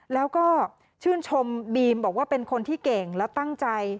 แล้วก็ชื่นชมบีมบอกว่าเป็นคนที่เก่งและตั้งใจ